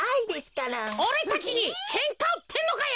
おれたちにけんかうってんのかよ！